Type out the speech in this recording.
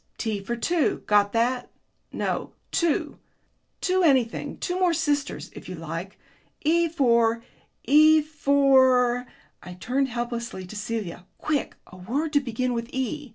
T for two. Got that? No, two. Two anything two more sisters, if you like. E for E for " I turned helplessly to Celia: "quick, a word to begin with E!